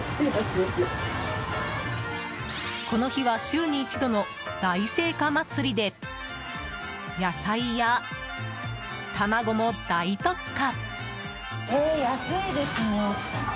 この日は週に一度の大青果祭で野菜や卵も大特価！